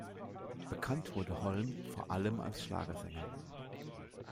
Bekannt wurde Holm vor allem als Schlagersänger.